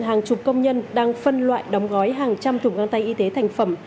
hàng chục công nhân đang phân loại đóng gói hàng trăm thùng găng tay y tế thành phẩm